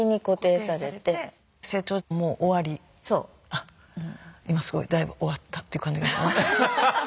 あっ今すごいだいぶ終わったって感じが。